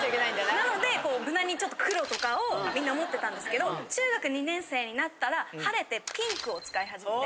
なので無難に黒とかをみんな持ってたんですけど中学２年生になったらはれてピンクを使い始めて。